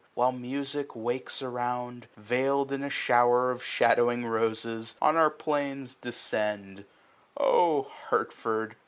While mnsic wakes around, veiFd in a shower 0( ihadowing roses, on our plains descend* SPRING. •fiif O Hartford